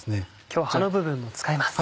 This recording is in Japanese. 今日は葉の部分も使います。